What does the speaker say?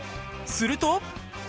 すると。